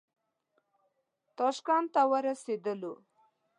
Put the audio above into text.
تاشکند ته ورسېدلو.